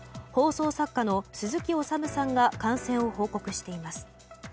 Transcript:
放送作家の鈴木おさむさんが感染を報告しています。